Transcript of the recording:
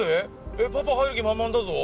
えっパパは入る気満々だぞ？